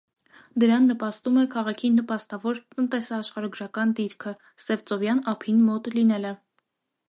Դրան նպաստում է քաղաքի նպաստավոր տնտեսաաշխարհագրական դիրքը. սևծովյան ափին մոտ լինելը։